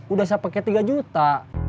udah saya pakai tiga juta